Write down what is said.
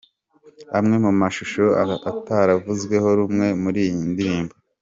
Amwe mu mashusho ataravuzweho rumwe muri iyi ndirimbo.